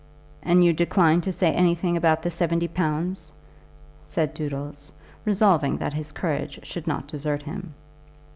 "And you decline to say anything about the seventy pounds?" said Doodles, resolving that his courage should not desert him.